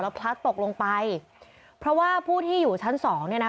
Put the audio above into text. พลัดตกลงไปเพราะว่าผู้ที่อยู่ชั้นสองเนี่ยนะ